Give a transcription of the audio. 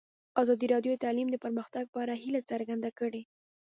ازادي راډیو د تعلیم د پرمختګ په اړه هیله څرګنده کړې.